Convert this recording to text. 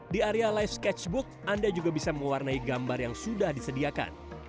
di area live sketchbook anda juga bisa mewarnai gambar yang sudah disediakan